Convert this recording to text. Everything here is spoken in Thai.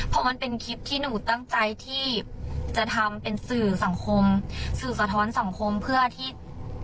เพราะมันเป็นคลิปที่หนูตั้งใจที่จะทำเป็นสื่อสังคมสื่อสะท้อนสังคมเพื่อที่